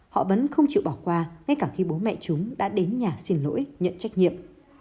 họ vẫn không chịu bỏ qua ngay cả khi bố mẹ chúng đã đến nhà xin lỗi nhận trách nhiệm